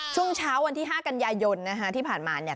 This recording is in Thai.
ช่วงเช้าวันที่๕กันยายนนะฮะที่ผ่านมาเนี่ย